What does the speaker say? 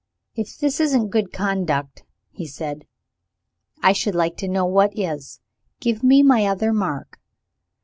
"If this isn't good conduct," he said, "I should like to know what is. Give me my other mark."